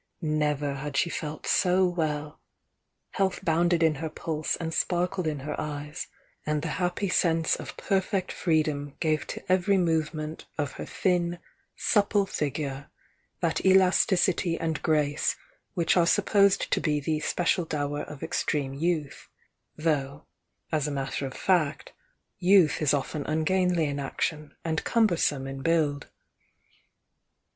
Never had she felt so well; health bounded in her pulse and sparkled in her eyes, and the happy sense of perfect freedom gave to every movement of her thin, supple figure, that elasticity and grace which are supposed to be the special dower of extreme youth, though, as a matter of fact, youth is often ungainly in action and cumbersome in build.